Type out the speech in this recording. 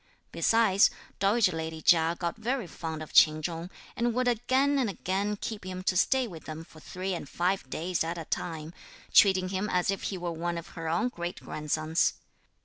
Besides, dowager lady Chia got very fond of Ch'in Chung, and would again and again keep him to stay with them for three and five days at a time, treating him as if he were one of her own great grandsons.